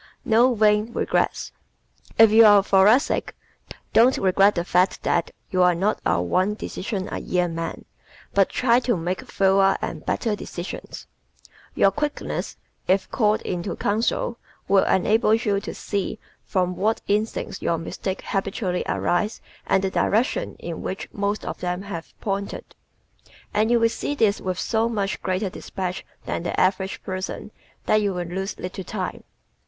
No Vain Regrets ¶ If you are a Thoracic don't regret the fact that you are not a one decision a year man, but try to make fewer and better decisions. Your quickness, if called into counsel, will enable you to see from what instincts your mistakes habitually arise and the direction in which most of them have pointed. And you will see this with so much greater dispatch than the average person that you will lose little time.